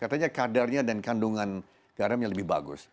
katanya kadarnya dan kandungan garamnya lebih bagus